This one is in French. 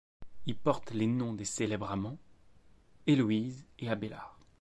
Il porte les noms des célèbres amants Héloïse et Abélard.